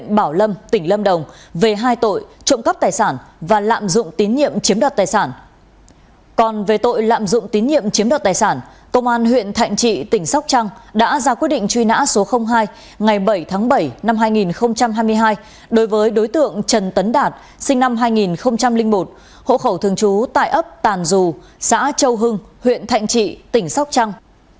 còn về tội lạm dụng tín nhiệm chiếm đoạt tài sản công an huyện thạnh trị tỉnh sóc trăng đã ra quyết định truy nã số hai ngày bảy tháng bảy năm hai nghìn hai mươi hai đối với đối tượng trần tấn đạt sinh năm hai nghìn một hộ khẩu thường trú tài ấp tàn dù xã châu hưng huyện thạnh trị tỉnh sóc trăng